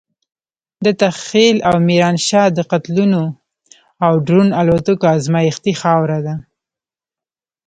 دته خېل او ميرانشاه د قتلونو او ډرون الوتکو ازمايښتي خاوره ده.